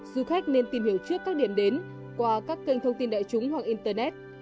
du khách nên tìm hiểu trước các điểm đến qua các kênh thông tin đại chúng hoặc internet